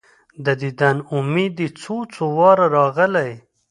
د دیدن امید دي څو، څو واره راغلی